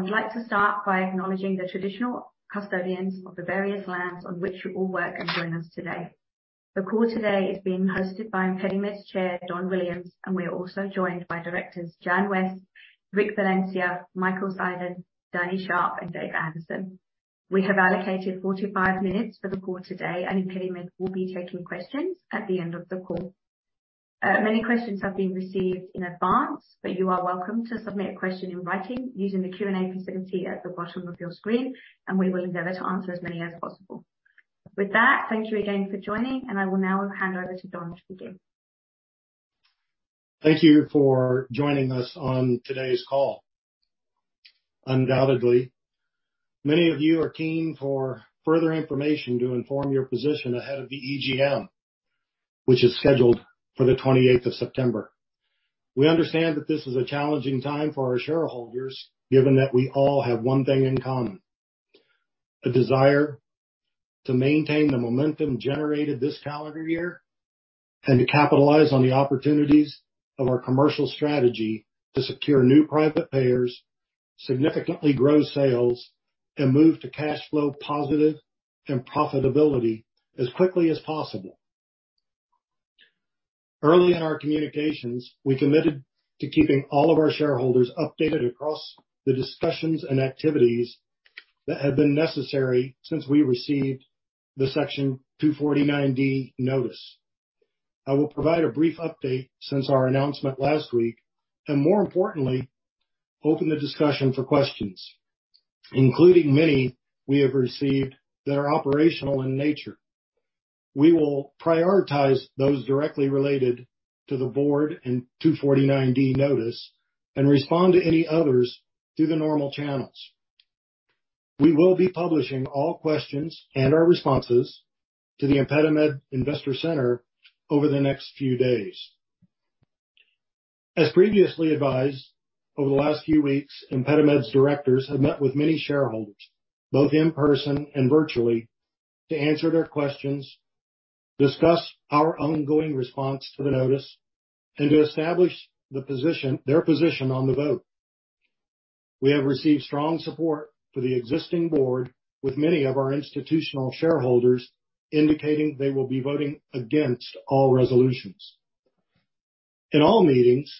I would like to start by acknowledging the traditional custodians of the various lands on which you all work and join us today. The call today is being hosted by ImpediMed's Chair, Don Williams, and we are also joined by Directors Jan West, Rick Valencia, Michael Seiden, Daniel Sharp, and David Anderson. We have allocated 45 minutes for the call today, and ImpediMed will be taking questions at the end of the call. Many questions have been received in advance, but you are welcome to submit a question in writing using the Q&A facility at the bottom of your screen, and we will endeavor to answer as many as possible. With that, thank you again for joining, and I will now hand over to Don to begin. Thank you for joining us on today's call. Undoubtedly, many of you are keen for further information to inform your position ahead of the EGM, which is scheduled for the 28th of September. We understand that this is a challenging time for our shareholders, given that we all have one thing in common: a desire to maintain the momentum generated this calendar year and to capitalize on the opportunities of our commercial strategy to secure new private payers, significantly grow sales, and move to cash flow positive and profitability as quickly as possible. Early in our communications, we committed to keeping all of our shareholders updated across the discussions and activities that have been necessary since we received the Section 249D notice. I will provide a brief update since our announcement last week, and more importantly, open the discussion for questions, including many we have received that are operational in nature. We will prioritize those directly related to the board and 249D notice and respond to any others through the normal channels. We will be publishing all questions and our responses to the ImpediMed Investor Center over the next few days. As previously advised, over the last few weeks, ImpediMed's directors have met with many shareholders, both in person and virtually, to answer their questions, discuss our ongoing response to the notice, and to establish their position on the vote. We have received strong support for the existing board, with many of our institutional shareholders indicating they will be voting against all resolutions. In all meetings,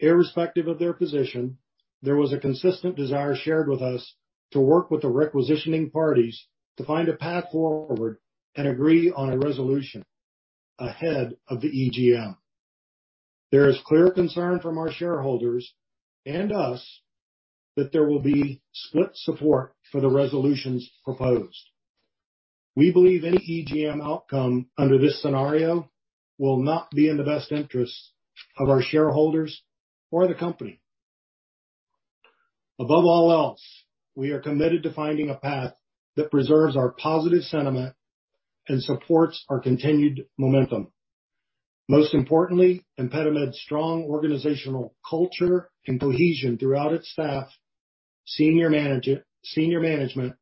irrespective of their position, there was a consistent desire shared with us to work with the requisitioning parties to find a path forward and agree on a resolution ahead of the EGM. There is clear concern from our shareholders and us that there will be split support for the resolutions proposed. We believe any EGM outcome under this scenario will not be in the best interest of our shareholders or the company. Above all else, we are committed to finding a path that preserves our positive sentiment and supports our continued momentum. Most importantly, ImpediMed's strong organizational culture and cohesion throughout its staff, senior management,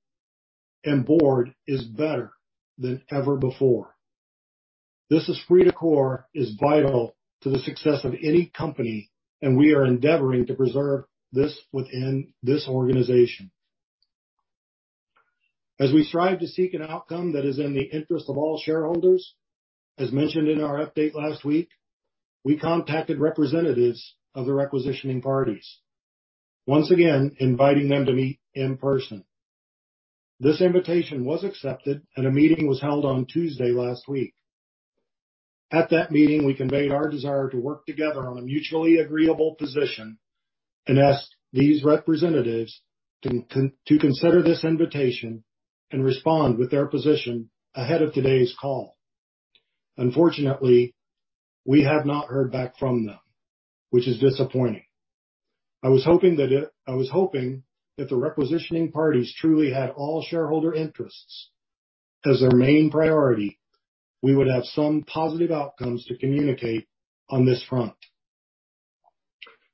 and board is better than ever before. This is key to core, is vital to the success of any company, and we are endeavoring to preserve this within this organization. As we strive to seek an outcome that is in the interest of all shareholders, as mentioned in our update last week, we contacted representatives of the requisitioning parties, once again inviting them to meet in person. This invitation was accepted, and a meeting was held on Tuesday last week. At that meeting, we conveyed our desire to work together on a mutually agreeable position and asked these representatives to consider this invitation and respond with their position ahead of today's call. Unfortunately, we have not heard back from them, which is disappointing. I was hoping that the requisitioning parties truly had all shareholder interests as their main priority. We would have some positive outcomes to communicate on this front.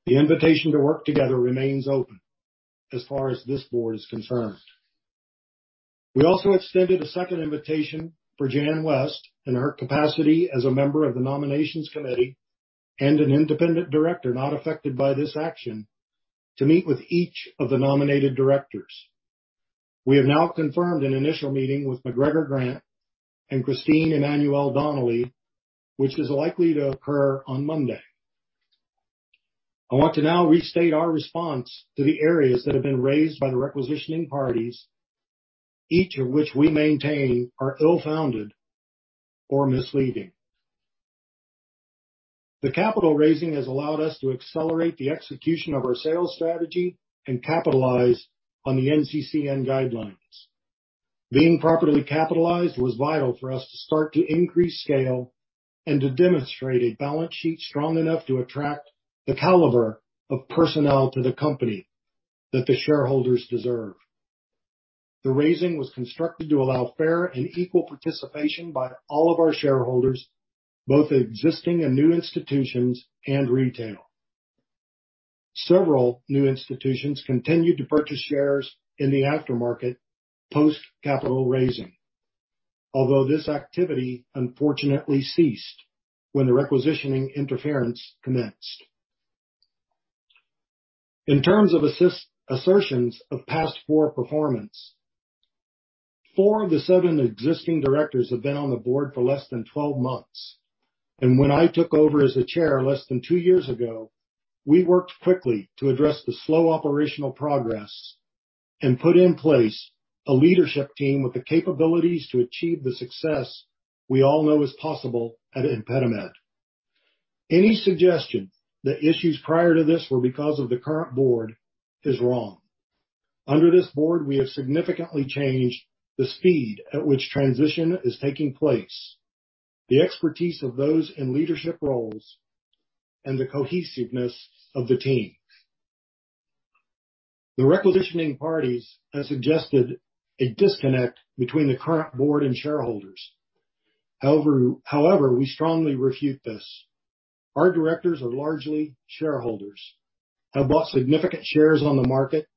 The invitation to work together remains open as far as this board is concerned. We also extended a second invitation for Jan West, in her capacity as a member of the Nominations Committee and an independent director not affected by this action, to meet with each of the nominated directors. We have now confirmed an initial meeting with McGregor Grant and Christine Emmanuel-Donnelly, which is likely to occur on Monday. I want to now restate our response to the areas that have been raised by the requisitioning parties, each of which we maintain are ill-founded or misleading. The capital raising has allowed us to accelerate the execution of our sales strategy and capitalize on the NCCN guidelines. Being properly capitalized was vital for us to start to increase scale and to demonstrate a balance sheet strong enough to attract the caliber of personnel to the company that the shareholders deserve. The raising was constructed to allow fair and equal participation by all of our shareholders, both existing and new institutions and retail. Several new institutions continued to purchase shares in the aftermarket, post-capital raising although this activity unfortunately ceased when the requisitioning interference commenced. In terms of assertions of past board performance, four of the seven existing directors have been on the board for less than 12 months, and when I took over as the Chair less than two years ago, we worked quickly to address the slow operational progress and put in place a leadership team with the capabilities to achieve the success we all know is possible at ImpediMed. Any suggestion that issues prior to this were because of the current board is wrong. Under this board, we have significantly changed the speed at which transition is taking place, the expertise of those in leadership roles, and the cohesiveness of the team. The requisitioning parties have suggested a disconnect between the current board and shareholders. However, we strongly refute this. Our directors are largely shareholders, have bought significant shares on the market,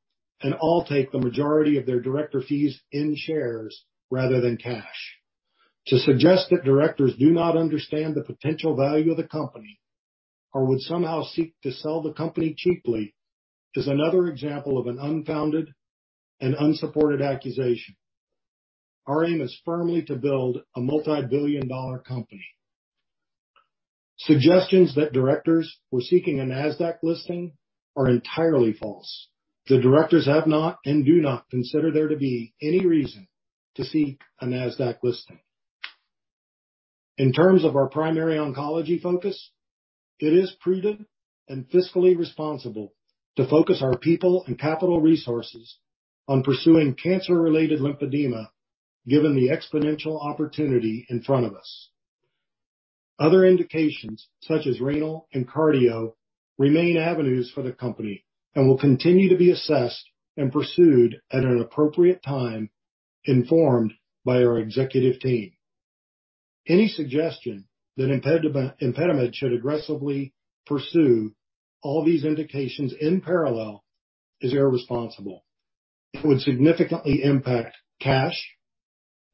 and all take the majority of their director fees in shares rather than cash. To suggest that directors do not understand the potential value of the company or would somehow seek to sell the company cheaply is another example of an unfounded and unsupported accusation. Our aim is firmly to build a multi-billion dollar company. Suggestions that directors were seeking a NASDAQ listing are entirely false. The directors have not and do not consider there to be any reason to seek a NASDAQ listing. In terms of our primary oncology focus, it is prudent and fiscally responsible to focus our people and capital resources on pursuing cancer-related lymphedema, given the exponential opportunity in front of us. Other indications, such as renal and cardio, remain avenues for the company and will continue to be assessed and pursued at an appropriate time, informed by our executive team. Any suggestion that ImpediMed should aggressively pursue all these indications in parallel is irresponsible. It would significantly impact cash,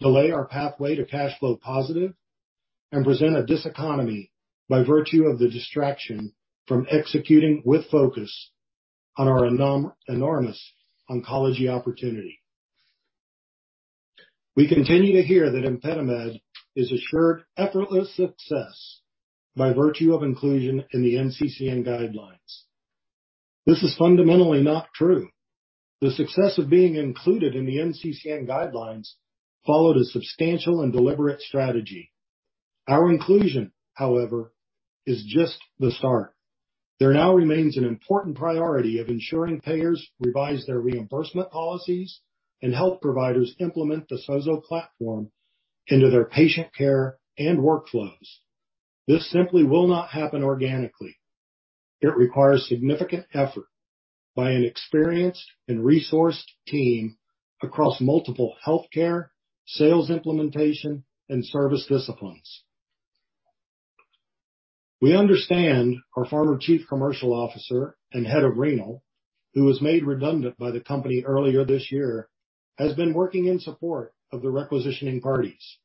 delay our pathway to cash flow positive, and present a diseconomy by virtue of the distraction from executing with focus on our enormous oncology opportunity. We continue to hear that ImpediMed is assured effortless success by virtue of inclusion in the NCCN guidelines. This is fundamentally not true. The success of being included in the NCCN guidelines followed a substantial and deliberate strategy. Our inclusion, however, is just the start. There now remains an important priority of ensuring payers revise their reimbursement policies and help providers implement the SOZO platform into their patient care and workflows. This simply will not happen organically. It requires significant effort by an experienced and resourced team across multiple healthcare, sales, implementation and service disciplines. We understand our former chief commercial officer and head of renal, who was made redundant by the company earlier this year, has been working in support of the requisitioning parties.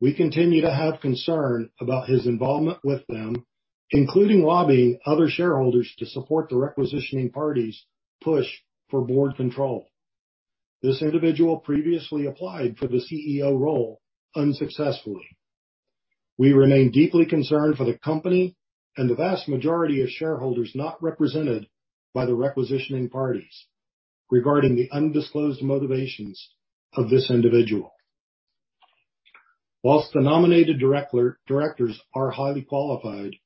We continue to have concern about his involvement with them, including lobbying other shareholders to support the requisitioning parties' push for board control. This individual previously applied for the CEO role unsuccessfully. We remain deeply concerned for the company and the vast majority of shareholders not represented by the requisitioning parties regarding the undisclosed motivations of this individual. While the nominated directors are highly qualified,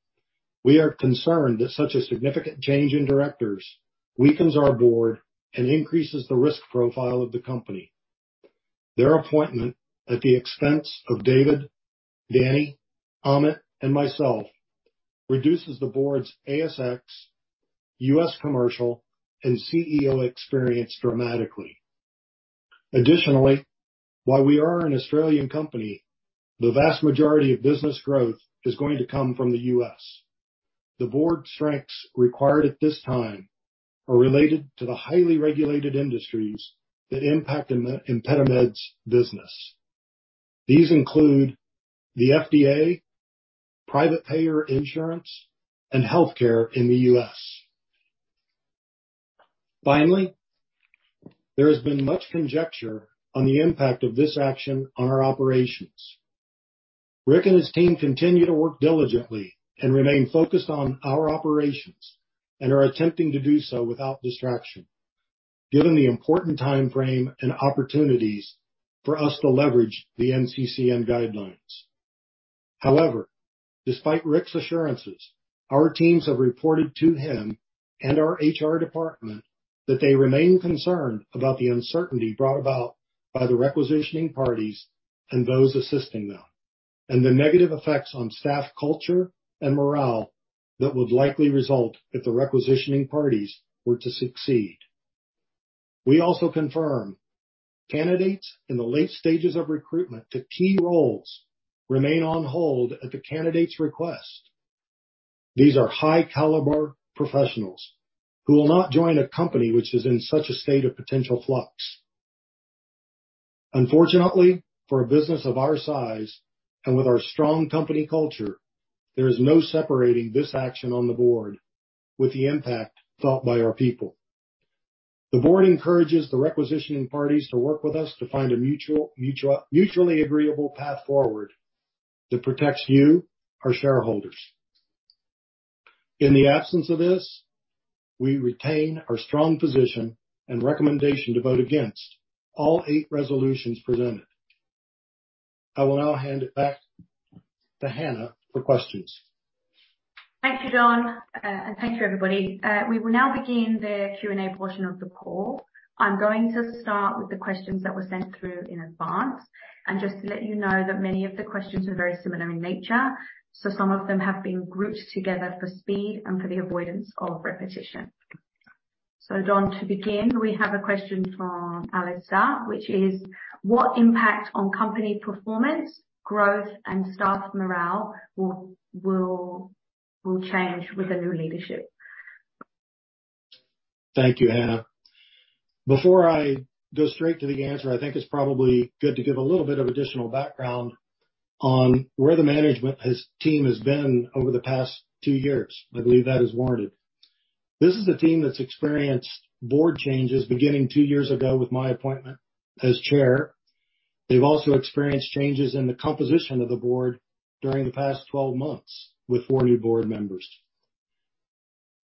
we are concerned that such a significant change in directors weakens our board and increases the risk profile of the company. Their appointment, at the expense of David, Danny, Amit, and myself, reduces the board's ASX, U.S. commercial, and CEO experience dramatically. Additionally, while we are an Australian company, the vast majority of business growth is going to come from the U.S., the board strengths required at this time are related to the highly regulated industries that impact ImpediMed's business. These include the FDA, private payer insurance, and healthcare in the U.S., finally, there has been much conjecture on the impact of this action on our operations. Rick and his team continue to work diligently and remain focused on our operations and are attempting to do so without distraction, given the important time frame and opportunities for us to leverage the NCCN guidelines. However, despite Rick's assurances, our teams have reported to him and our HR department that they remain concerned about the uncertainty brought about by the requisitioning parties and those assisting them, and the negative effects on staff culture and morale that would likely result if the requisitioning parties were to succeed. We also confirm candidates in the late stages of recruitment to key roles remain on hold at the candidates' request. These are high caliber professionals who will not join a company which is in such a state of potential flux. Unfortunately, for a business of our size and with our strong company culture, there is no separating this action on the board with the impact felt by our people. The board encourages the requisitioning parties to work with us to find a mutual, mutually agreeable path forward that protects you, our shareholders. In the absence of this, we retain our strong position and recommendation to vote against all eight resolutions presented. I will now hand it back to Hannah for questions. Thank you, Don. And thank you, everybody. We will now begin the Q&A portion of the call. I'm going to start with the questions that were sent through in advance, and just to let you know that many of the questions are very similar in nature, so some of them have been grouped together for speed and for the avoidance of repetition. So Don, to begin, we have a question from Alistair, which is: What impact on company performance, growth, and staff morale will change with the new leadership? Thank you, Hannah. Before I go straight to the answer, I think it's probably good to give a little bit of additional background on where the team has been over the past two years. I believe that is warranted. This is a team that's experienced board changes beginning two years ago with my appointment as chair. They've also experienced changes in the composition of the board during the past 12 months, with four new board members.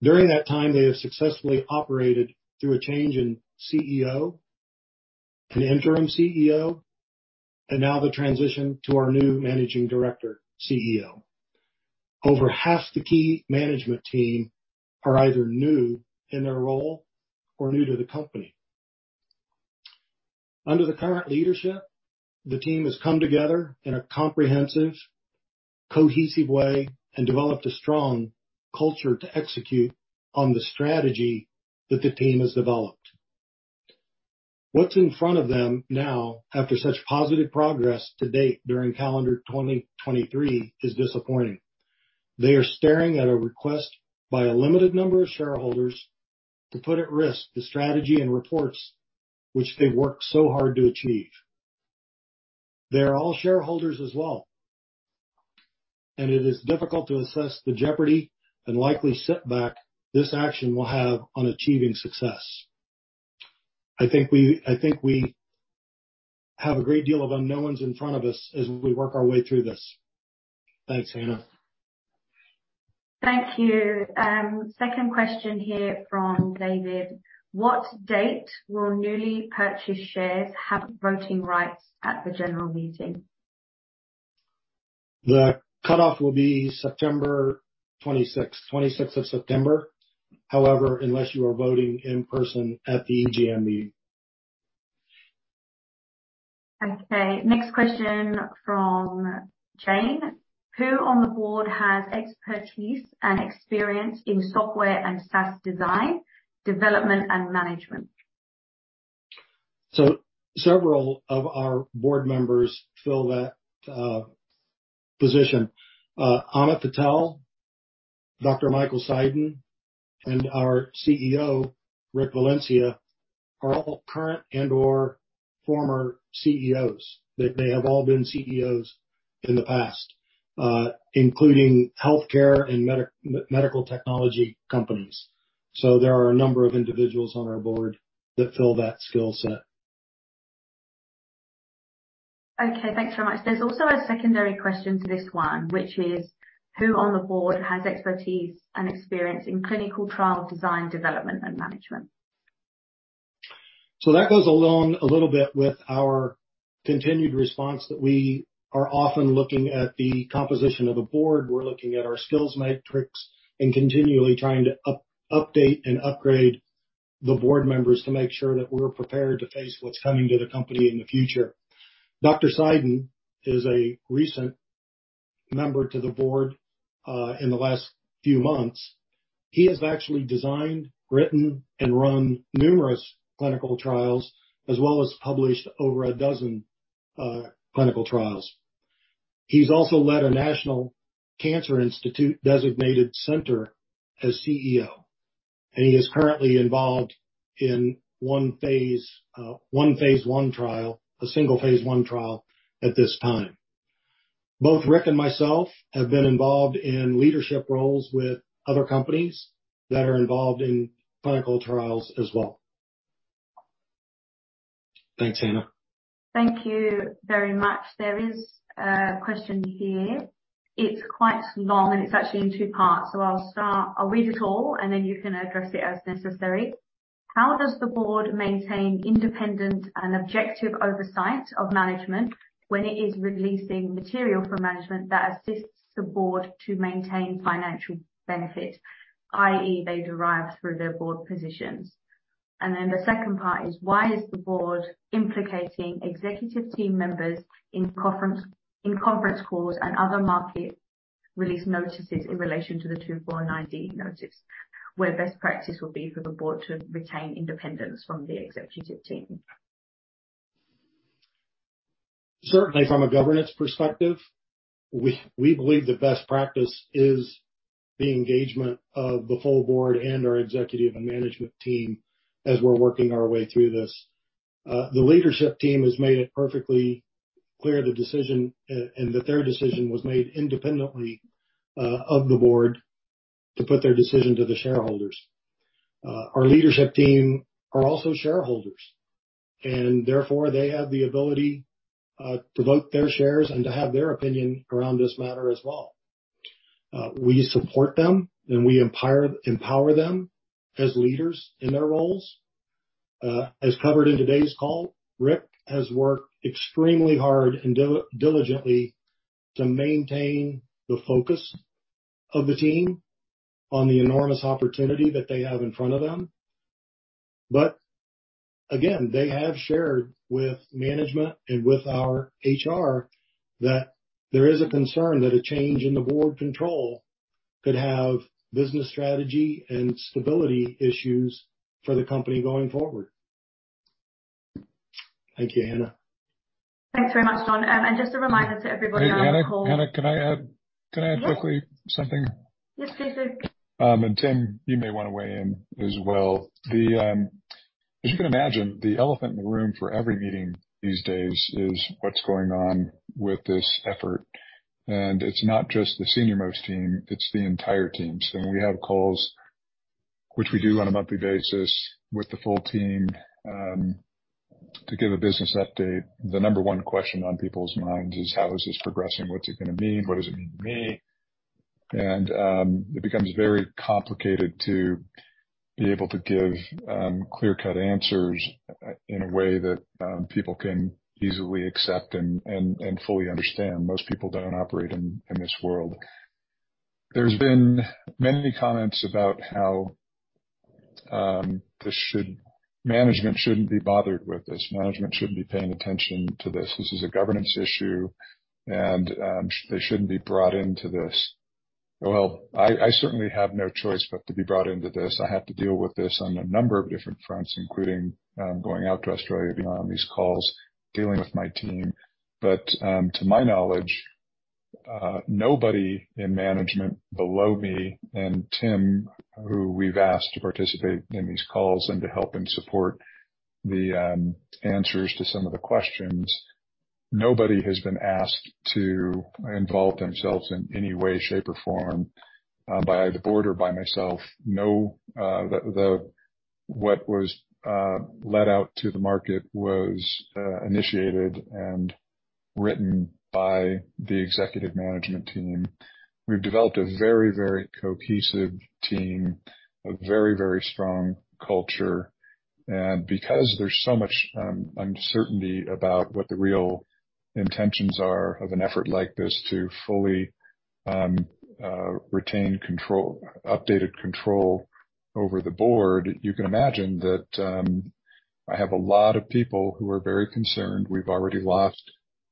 During that time, they have successfully operated through a change in CEO, an Interim CEO, and now the transition to our new Managing Director, CEO. Over half the key management team are either new in their role or new to the company. Under the current leadership, the team has come together in a comprehensive, cohesive way and developed a strong culture to execute on the strategy that the team has developed. What's in front of them now, after such positive progress to date during calendar 2023, is disappointing. They are staring at a request by a limited number of shareholders to put at risk the strategy and reports which they've worked so hard to achieve. They are all shareholders as well, and it is difficult to assess the jeopardy and likely setback this action will have on achieving success. I think we, I think we have a great deal of unknowns in front of us as we work our way through this. Thanks, Hannah. Thank you. Second question here from David: What date will newly purchased shares have voting rights at the general meeting? The cutoff will be September 26th. 26th of September. However, unless you are voting in person at the EGM meeting. Okay, next question from Jane. Who on the board has expertise and experience in software and SaaS design, development, and management? So several of our board members fill that position. Amit Patel, Dr. Michael Seiden, and our CEO, Rick Valencia, are all current and/or former CEOs. They, they have all been CEOs in the past, including healthcare and medical technology companies. So there are a number of individuals on our board that fill that skill set. Okay, thanks very much. There's also a secondary question to this one, which is: Who on the board has expertise and experience in clinical trial design, development, and management? So that goes along a little bit with our continued response, that we are often looking at the composition of the board. We're looking at our skills metrics and continually trying to update and upgrade the board members to make sure that we're prepared to face what's coming to the company in the future. Dr. Seiden is a recent member to the board in the last few months. He has actually designed, written, and run numerous clinical trials, as well as published over a dozen clinical trials. He's also led a National Cancer Institute Designated Center as CEO, and he is currently involved in one phase one trial, a single phase one trial at this time. Both Rick and myself have been involved in leadership roles with other companies that are involved in clinical trials as well. Thanks, Hannah. Thank you very much. There is a question here. It's quite long, and it's actually in two parts, so I'll start, I'll read it all, and then you can address it as necessary. How does the board maintain independent and objective oversight of management when it is releasing material from management that assists the board to maintain financial benefit, i.e., they derive through their board positions? And then the second part is: Why is the board implicating executive team members in conference, in conference calls and other market release notices in relation to the 249 notice, where best practice would be for the board to retain independence from the executive team? Certainly from a governance perspective, we believe the best practice is the engagement of the full board and our executive and management team as we're working our way through this. The leadership team has made it perfectly clear the decision, and that their decision was made independently of the board to put their decision to the shareholders. Our leadership team are also shareholders, and therefore they have the ability to vote their shares and to have their opinion around this matter as well. We support them, and we empower them as leaders in their roles. As covered in today's call, Rick has worked extremely hard and diligently to maintain the focus of the team on the enormous opportunity that they have in front of them. But again, they have shared with management and with our HR that there is a concern that a change in the board control could have business strategy and stability issues for the company going forward. Thank you, Hannah. Thanks very much, Don. Just a reminder to everybody on the call. Hannah, can I add, can I add quickly something? Yes, please, Rick. Tim, you may want to weigh in as well. As you can imagine, the elephant in the room for every meeting these days is what's going on with this effort, and it's not just the senior-most team, it's the entire team. So when we have calls, which we do on a monthly basis with the full team, to give a business update, the number one question on people's minds is: How is this progressing? What's it gonna mean? What does it mean to me? And it becomes very complicated to be able to give clear-cut answers in a way that people can easily accept and fully understand. Most people don't operate in this world. There's been many comments about how this should... management shouldn't be bothered with this. Management shouldn't be paying attention to this. This is a governance issue, and they shouldn't be brought into this. Well, I certainly have no choice but to be brought into this. I have to deal with this on a number of different fronts, including going out to Australia, being on these calls, dealing with my team. But to my knowledge, nobody in management below me and Tim, who we've asked to participate in these calls and to help and support the answers to some of the questions, nobody has been asked to involve themselves in any way, shape, or form by the board or by myself. No, the what was let out to the market was initiated and written by the executive management team. We've developed a very, very cohesive team, a very, very strong culture, and because there's so much uncertainty about what the real intentions are of an effort like this to fully retain control, updated control over the board, you can imagine that I have a lot of people who are very concerned. We've already lost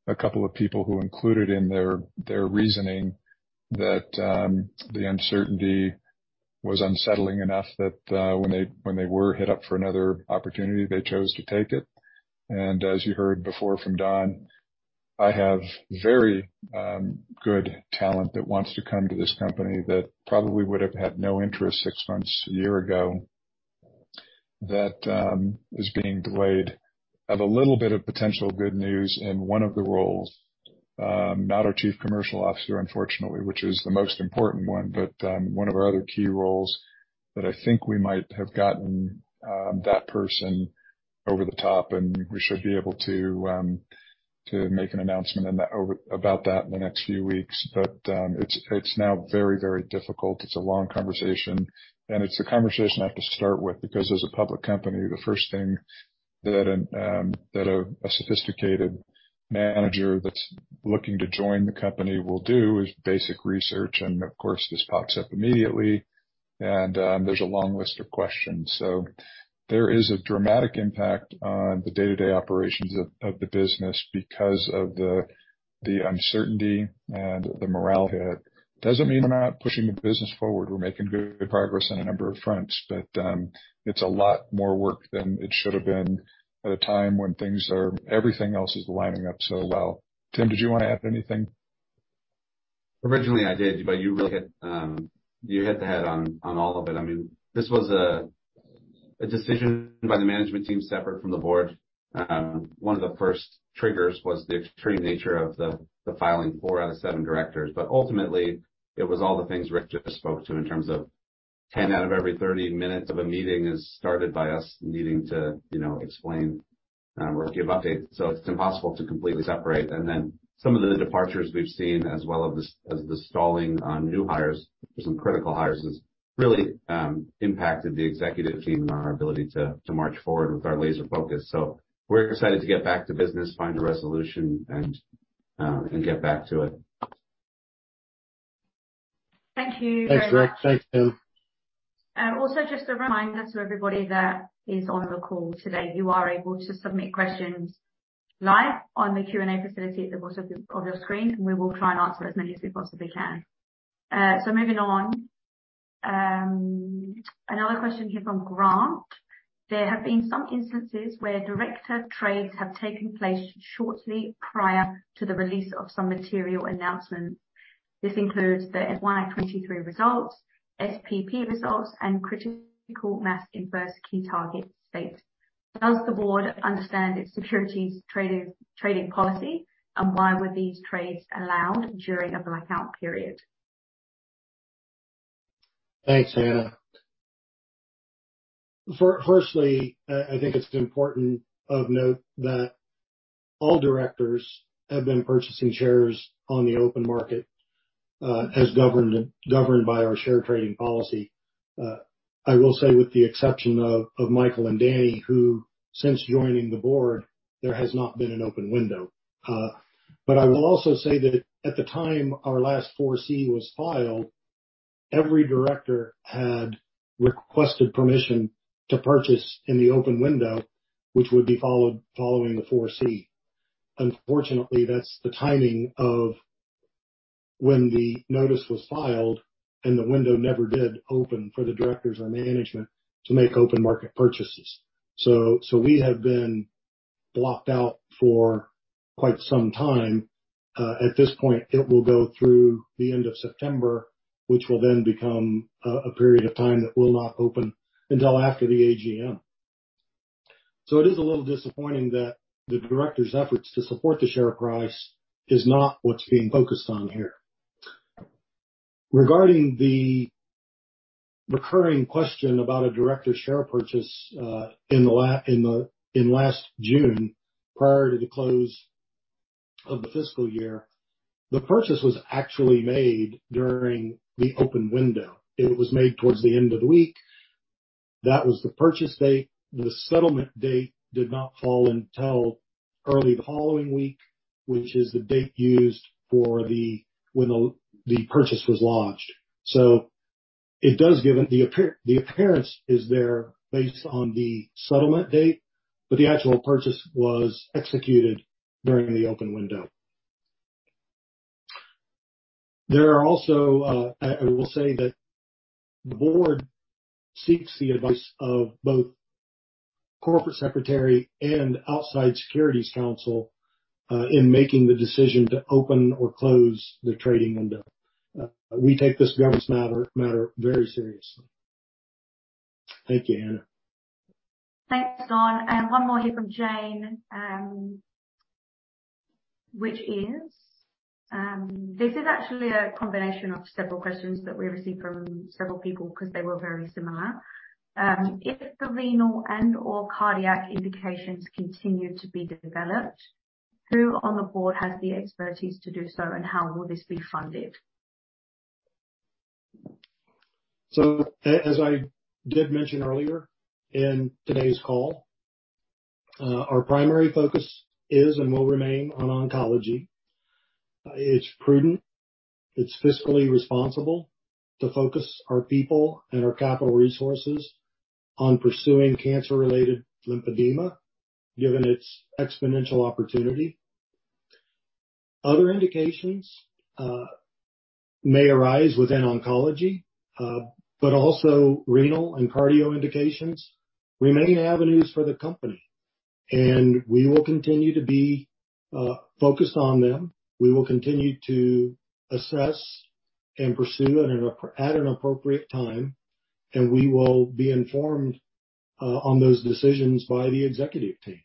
a couple of people who included in their, their reasoning that the uncertainty was unsettling enough that when they, when they were hit up for another opportunity, they chose to take it. And as you heard before from Don, I have very good talent that wants to come to this company that probably would have had no interest six months, a year ago, that is being delayed. I have a little bit of potential good news in one of the roles, not our Chief Commercial Officer, unfortunately, which is the most important one, but one of our other key roles that I think we might have gotten that person over the top and we should be able to to make an announcement in that, over, about that in the next few weeks. But it's now very, very difficult. It's a long conversation, and it's a conversation I have to start with, because as a public company, the first thing that a sophisticated manager that's looking to join the company will do is basic research, and of course, this pops up immediately. And there's a long list of questions. So there is a dramatic impact on the day-to-day operations of the uncertainty and the morale hit. Doesn't mean I'm not pushing the business forward. We're making good progress on a number of fronts, but it's a lot more work than it should have been at a time when things are... everything else is lining up so well. Tim, did you want to add anything? Originally, I did, but you really hit, you hit the head on, on all of it. I mean, this was a decision by the management team, separate from the board. One of the first triggers was the extreme nature of the filing four out of seven directors. But ultimately, it was all the things Rick just spoke to in terms of 10 out of every 30 minutes of a meeting is started by us needing to, you know, explain, or give updates, so it's impossible to completely separate. And then some of the departures we've seen, as well as the stalling on new hires, some critical hires, has really impacted the executive team and our ability to march forward with our laser focus. So we're excited to get back to business, find a resolution, and, and get back to it. Thank you very much. Thanks, Rick. Thanks, Tim. Also, just a reminder to everybody that is on the call today, you are able to submit questions live on the Q&A facility at the bottom of your screen, and we will try and answer as many as we possibly can. So moving on.... Another question here from Grant. There have been some instances where director trades have taken place shortly prior to the release of some material announcement. This includes the FY 2023 results, SPP results, and critical mass in first key target state. Does the board understand its securities trading policy, and why were these trades allowed during a blackout period? Thanks, Hannah. Firstly, I think it's important to note that all directors have been purchasing shares on the open market, as governed by our share trading policy. I will say with the exception of Michael and Danny, who, since joining the board, there has not been an open window. But I will also say that at the time our last 4C was filed, every director had requested permission to purchase in the open window, which would be following the 4C. Unfortunately, that's the timing of when the notice was filed, and the window never did open for the directors or management to make open market purchases. So we have been blocked out for quite some time. At this point, it will go through the end of September, which will then become a period of time that will not open until after the AGM. So it is a little disappointing that the directors' efforts to support the share price is not what's being focused on here. Regarding the recurring question about a director's share purchase, in last June, prior to the close of the fiscal year, the purchase was actually made during the open window. It was made towards the end of the week. That was the purchase date. The settlement date did not fall until early the following week, which is the date used for when the purchase was launched. So it does give the appearance is there based on the settlement date, but the actual purchase was executed during the open window. There are also, I will say that the board seeks the advice of both corporate secretary and outside securities counsel in making the decision to open or close the trading window. We take this governance matter very seriously. Thank you, Hannah. Thanks, Don. And one more here from Jane, which is, this is actually a combination of several questions that we received from several people 'cause they were very similar. If the renal and/or cardiac indications continue to be developed, who on the board has the expertise to do so, and how will this be funded? So as I did mention earlier in today's call, our primary focus is, and will remain on oncology. It's prudent, it's fiscally responsible to focus our people and our capital resources on pursuing cancer-related lymphedema, given its exponential opportunity. Other indications may arise within oncology, but also renal and cardio indications remain avenues for the company, and we will continue to be focused on them. We will continue to assess and pursue at an appropriate time, and we will be informed on those decisions by the executive team.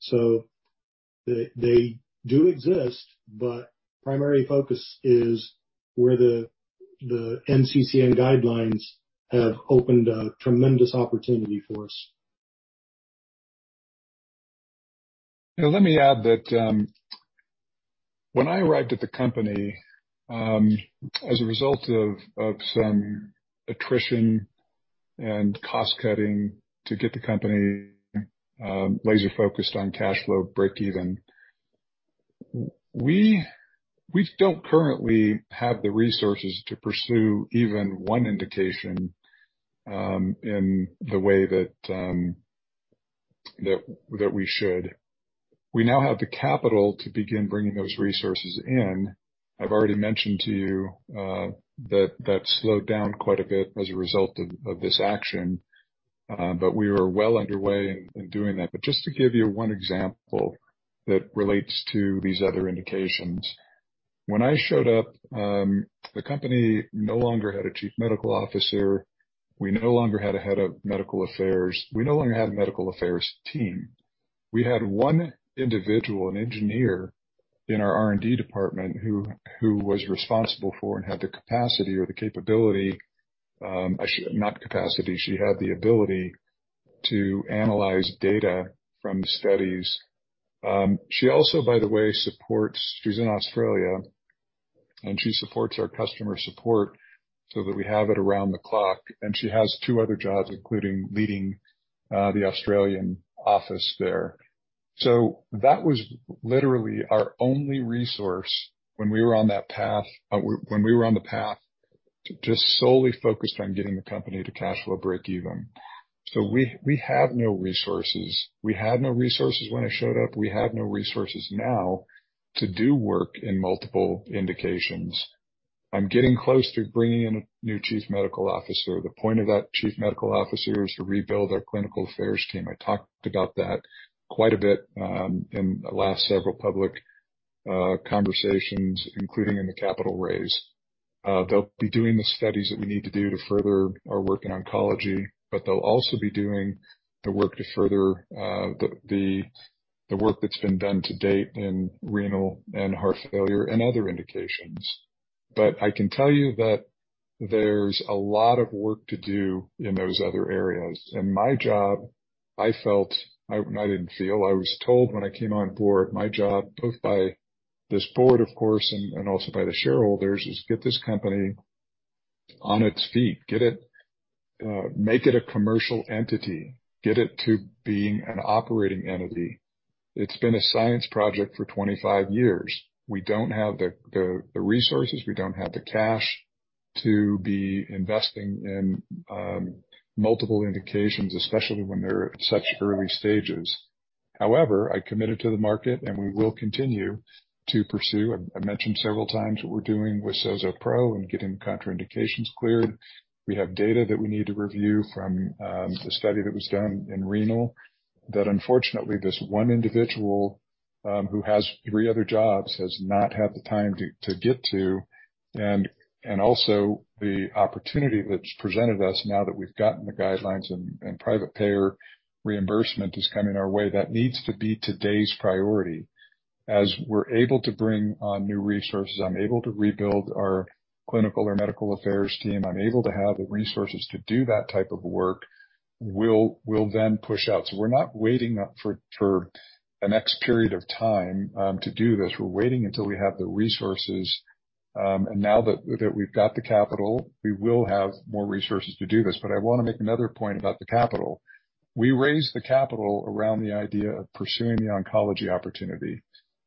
So they do exist, but primary focus is where the NCCN guidelines have opened a tremendous opportunity for us. Now, let me add that, when I arrived at the company, as a result of some attrition and cost cutting to get the company laser focused on cashflow breakeven, we don't currently have the resources to pursue even one indication in the way that we should. We now have the capital to begin bringing those resources in. I've already mentioned to you that that slowed down quite a bit as a result of this action, but we were well underway in doing that. But just to give you one example that relates to these other indications, when I showed up, the company no longer had a chief medical officer. We no longer had a head of medical affairs. We no longer had a medical affairs team. We had one individual, an engineer in our R&D department, who was responsible for and had the capacity or the capability, actually, not capacity, she had the ability to analyze data from the studies. She also, by the way, supports—she's in Australia, and she supports our customer support so that we have it around the clock. And she has two other jobs, including leading the Australian office there. So that was literally our only resource when we were on that path, when we were on the path to just solely focused on getting the company to cash flow breakeven. So we have no resources. We had no resources when I showed up. We have no resources now to do work in multiple indications. I'm getting close to bringing in a new chief medical officer. The point of that Chief Medical Officer is to rebuild our clinical affairs team. I talked about that quite a bit in the last several public conversations, including in the capital raise. They'll be doing the studies that we need to do to further our work in oncology, but they'll also be doing the work to further the work that's been done to date in renal and heart failure and other indications. But I can tell you that there's a lot of work to do in those other areas, and my job, I was told when I came on board, my job, both by this board, of course, and also by the shareholders, is get this company on its feet, get it, make it a commercial entity, get it to being an operating entity. It's been a science project for 25 years. We don't have the resources, we don't have the cash to be investing in multiple indications, especially when they're at such early stages. However, I committed to the market, and we will continue to pursue. I mentioned several times what we're doing with SOZOPro and getting contraindications cleared. We have data that we need to review from the study that was done in renal, that unfortunately, this one individual who has three other jobs has not had the time to get to. And also the opportunity that's presented us now that we've gotten the guidelines and private payer reimbursement is coming our way, that needs to be today's priority. As we're able to bring on new resources, I'm able to rebuild our clinical or medical affairs team. I'm able to have the resources to do that type of work, we'll then push out. So we're not waiting up for an X period of time to do this. We're waiting until we have the resources, and now that we've got the capital, we will have more resources to do this. But I wanna make another point about the capital. We raised the capital around the idea of pursuing the oncology opportunity.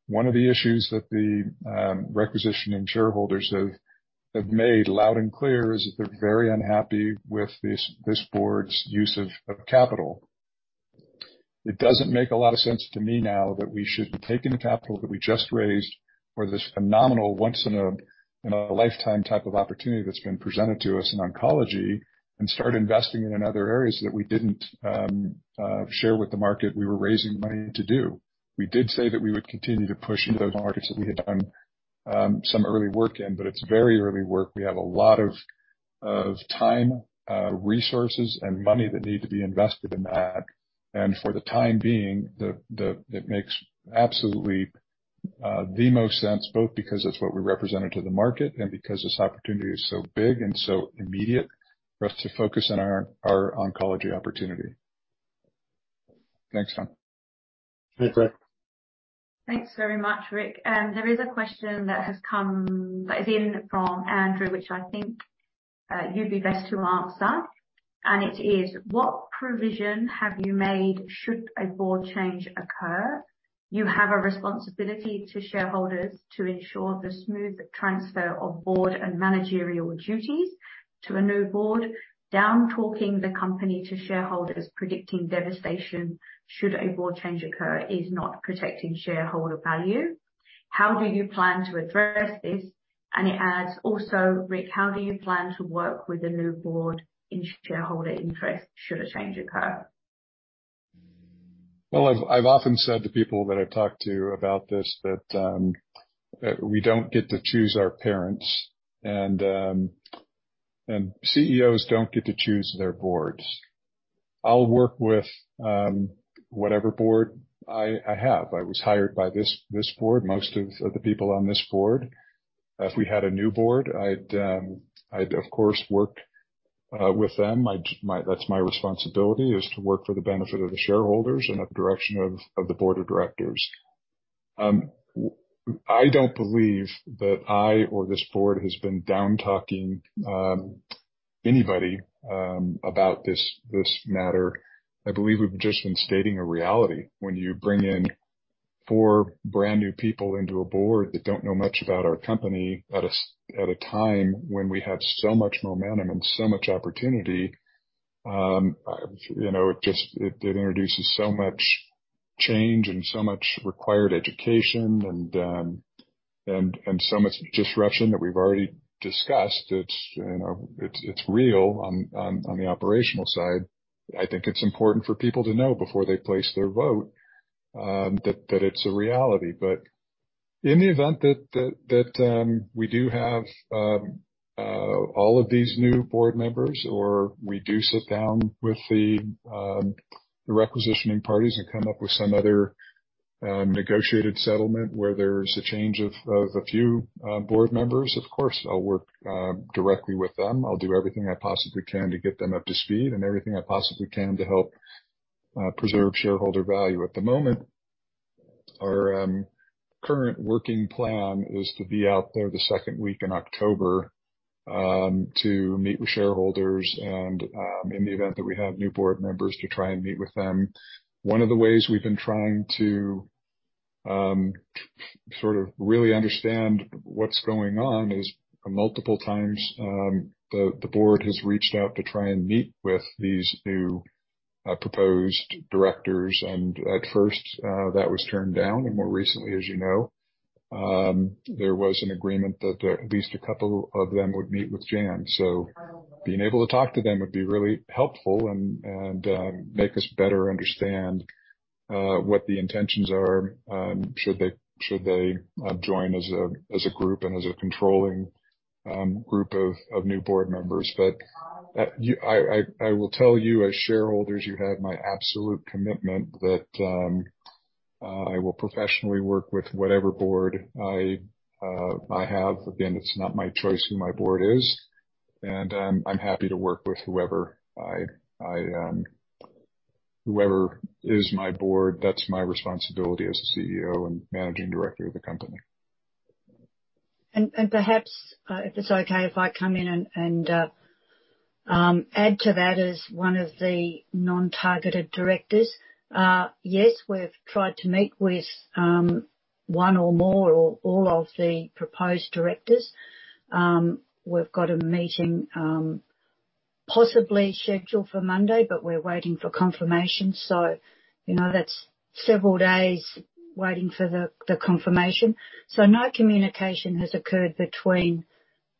One of the issues that the requisitioning shareholders have made loud and clear is that they're very unhappy with this board's use of capital. It doesn't make a lot of sense to me now that we should be taking the capital that we just raised for this phenomenal once in a lifetime type of opportunity that's been presented to us in oncology and start investing it in other areas that we didn't share with the market we were raising money to do. We did say that we would continue to push into those markets that we had done some early work in, but it's very early work. We have a lot of time, resources, and money that need to be invested in that. And for the time being, it makes absolutely the most sense, both because that's what we represented to the market and because this opportunity is so big and so immediate, for us to focus on our oncology opportunity. Thanks, Don. Thanks, Rick. Thanks very much, Rick. There is a question that has come, that is in from Andrew, which I think you'd be best to answer, and it is: What provision have you made, should a board change occur? You have a responsibility to shareholders to ensure the smooth transfer of board and managerial duties to a new board. Down talking the company to shareholders predicting devastation should a board change occur, is not protecting shareholder value. How do you plan to address this? And it adds, also, Rick, how do you plan to work with a new board in shareholder interest, should a change occur? Well, I've often said to people that I've talked to about this, that we don't get to choose our parents, and CEOs don't get to choose their boards. I'll work with whatever board I have. I was hired by this board, most of the people on this board. If we had a new board, I'd of course work with them. That's my responsibility, is to work for the benefit of the shareholders and at the direction of the board of directors. I don't believe that I or this board has been down talking anybody about this matter. I believe we've just been stating a reality. When you bring in four brand new people into a board that don't know much about our company, at a time when we have so much momentum and so much opportunity, you know, it just, it introduces so much change and so much required education and, and so much disruption that we've already discussed. It's, you know, it's real on the operational side. I think it's important for people to know before they place their vote, that it's a reality. But in the event that we do have all of these new board members, or we do sit down with the requisitioning parties and come up with some other negotiated settlement where there's a change of a few board members, of course I'll work directly with them. I'll do everything I possibly can to get them up to speed and everything I possibly can to help preserve shareholder value. At the moment, our current working plan is to be out there the second week in October to meet with shareholders and, in the event that we have new board members, to try and meet with them. One of the ways we've been trying to sort of really understand what's going on is, multiple times, the board has reached out to try and meet with these new proposed directors, and at first, that was turned down, and more recently, as you know, there was an agreement that at least a couple of them would meet with Jan. So being able to talk to them would be really helpful and make us better understand what the intentions are, should they join as a group and as a controlling group of new board members. But you—I will tell you, as shareholders, you have my absolute commitment that I will professionally work with whatever board I have. Again, it's not my choice who my board is, and I'm happy to work with whoever... Whoever is my board, that's my responsibility as the CEO and Managing Director of the company. Perhaps, if it's okay if I come in and add to that as one of the non-targeted directors. Yes, we've tried to meet with one or more or all of the proposed directors. We've got a meeting possibly scheduled for Monday, but we're waiting for confirmation. So, you know, that's several days waiting for the confirmation. So no communication has occurred between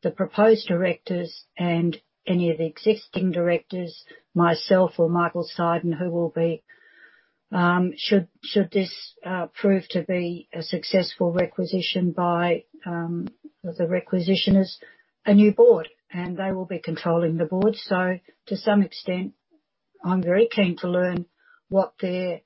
the proposed directors and any of the existing directors, myself or Michael Seiden, who will be, should this prove to be a successful requisition by the requisitioners, a new board, and they will be controlling the board. So to some extent, I'm very keen to learn what their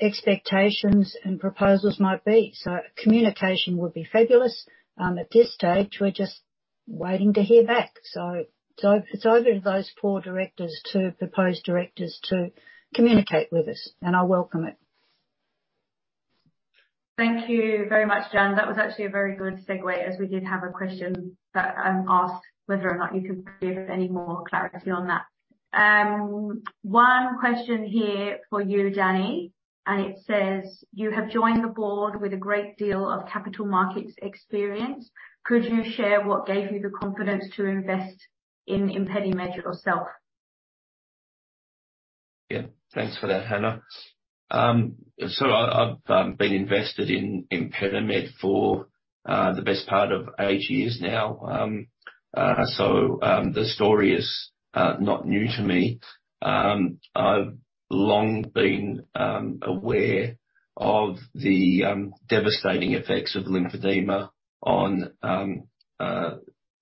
expectations and proposals might be. So communication would be fabulous. At this stage, we're just waiting to hear back. So, it's over to those four proposed directors to communicate with us, and I'll welcome it. Thank you very much, Jan. That was actually a very good segue, as we did have a question that asked whether or not you could give any more clarity on that. One question here for you, Danny, and it says: You have joined the board with a great deal of capital markets experience. Could you share what gave you the confidence to invest in ImpediMed yourself? Yeah. Thanks for that, Hannah. So I've been invested in ImpediMed for the best part of eight years now. So the story is not new to me. I've long been aware of the devastating effects of lymphedema on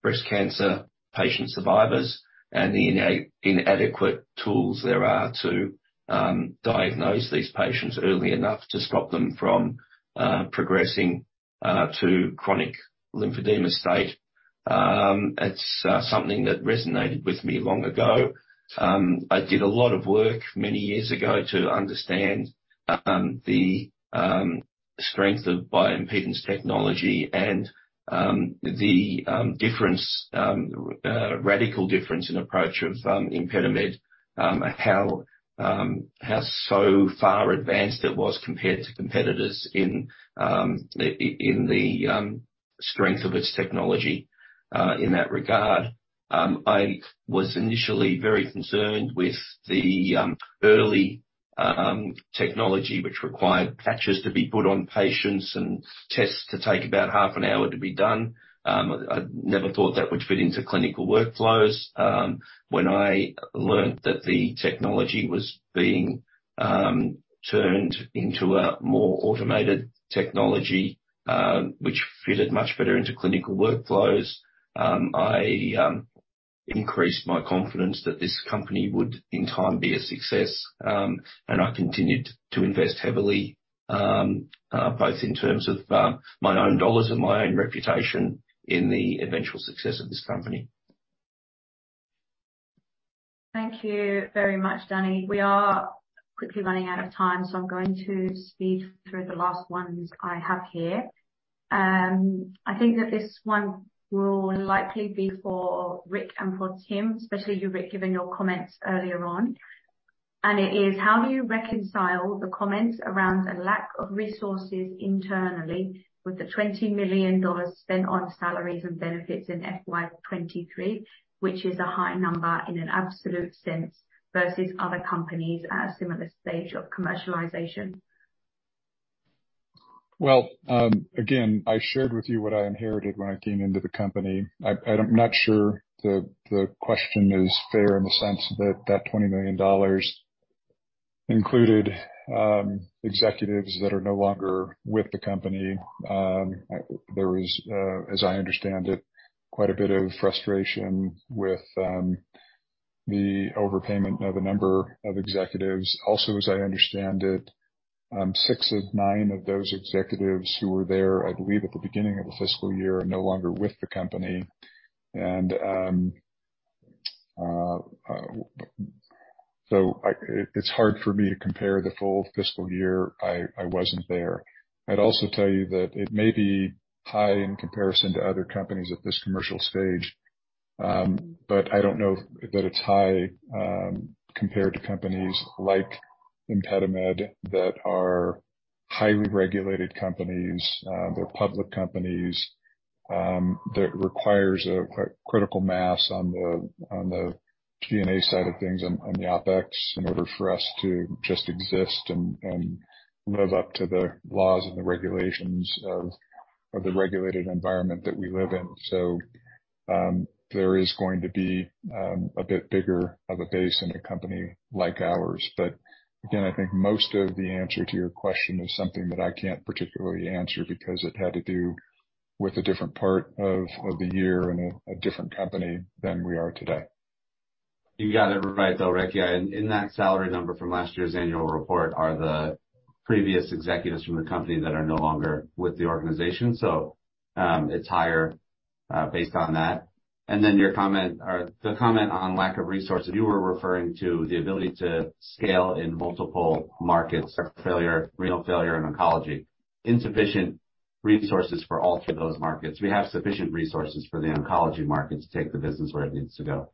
breast cancer patient survivors and the inadequate tools there are to diagnose these patients early enough to stop them from progressing to chronic lymphedema state. It's something that resonated with me long ago. I did a lot of work many years ago to understand the strength of bioimpedance technology and the radical difference in approach of ImpediMed. How so far advanced it was compared to competitors in the strength of its technology in that regard. I was initially very concerned with the early technology, which required patches to be put on patients and tests to take about half an hour to be done. I never thought that would fit into clinical workflows. When I learned that the technology was being turned into a more automated technology, which fitted much better into clinical workflows, I increased my confidence that this company would, in time, be a success. And I continued to invest heavily, both in terms of my own dollars and my own reputation in the eventual success of this company. Thank you very much, Danny. We are quickly running out of time, so I'm going to speed through the last ones I have here. I think that this one will likely be for Rick and for Tim, especially you, Rick, given your comments earlier on. It is: How do you reconcile the comments around the lack of resources internally with the 20 million dollars spent on salaries and benefits in FY 2023, which is a high number in an absolute sense, versus other companies at a similar stage of commercialization? Well, again, I shared with you what I inherited when I came into the company. I'm not sure the question is fair in the sense that that 20 million dollars included executives that are no longer with the company. There is, as I understand it, quite a bit of frustration with the overpayment of a number of executives. Also, as I understand it, 6 of 9 of those executives who were there, I believe, at the beginning of the fiscal year, are no longer with the company. And so it's hard for me to compare the full fiscal year. I wasn't there. I'd also tell you that it may be high in comparison to other companies at this commercial stage. But I don't know that it's high, compared to companies like ImpediMed that are highly regulated companies, they're public companies, that requires a critical mass on the G&A side of things, on the OpEx, in order for us to just exist and live up to the laws and the regulations of the regulated environment that we live in. So, there is going to be a bit bigger of a base in a company like ours. But again, I think most of the answer to your question is something that I can't particularly answer because it had to do with a different part of the year and a different company than we are today. You got it right, though, Rick, and in that salary number from last year's annual report are the previous executives from the company that are no longer with the organization. So, it's higher based on that. And then your comment, or the comment on lack of resources, you were referring to the ability to scale in multiple markets, heart failure, renal failure, and oncology. Insufficient resources for all of those markets. We have sufficient resources for the oncology market to take the business where it needs to go.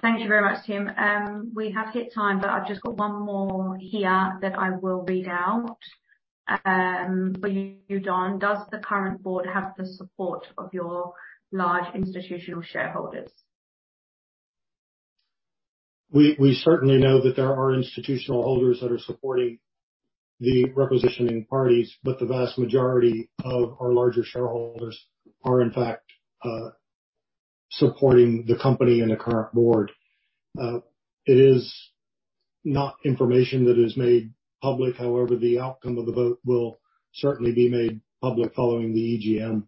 Thank you very much, Tim. We have hit time, but I've just got one more here that I will read out. For you, Don, does the current board have the support of your large institutional shareholders? We certainly know that there are institutional holders that are supporting the requisitioning parties, but the vast majority of our larger shareholders are, in fact, supporting the company and the current board. It is not information that is made public, however, the outcome of the vote will certainly be made public following the EGM.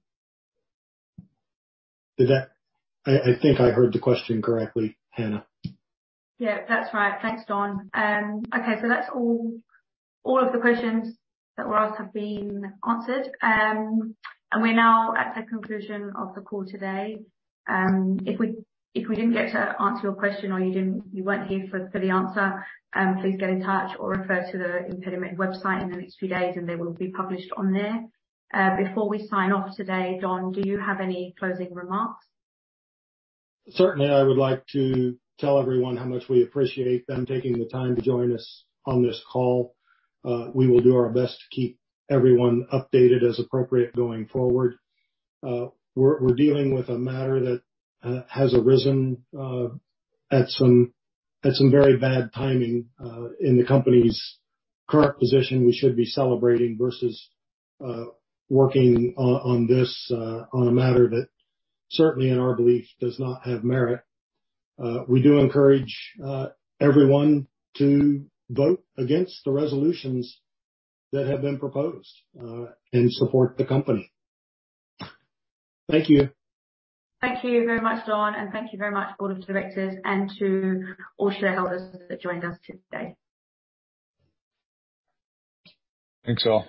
Did that... I think I heard the question correctly, Hannah. Yeah, that's right. Thanks, Don. Okay, so that's all. All of the questions that were asked have been answered. And we're now at the conclusion of the call today. If we didn't get to answer your question or you didn't—you weren't here for the answer, please get in touch or refer to the ImpediMed website in the next few days, and they will be published on there. Before we sign off today, Don, do you have any closing remarks? Certainly, I would like to tell everyone how much we appreciate them taking the time to join us on this call. We will do our best to keep everyone updated as appropriate going forward. We're dealing with a matter that has arisen at some very bad timing in the company's current position. We should be celebrating versus working on this matter that certainly, in our belief, does not have merit. We do encourage everyone to vote against the resolutions that have been proposed and support the company. Thank you. Thank you very much, Don, and thank you very much, board of directors, and to all shareholders that joined us today. Thanks, all.